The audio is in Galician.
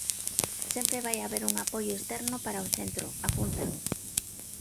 "Sempre vai haber un apoio externo para o centro", apunta.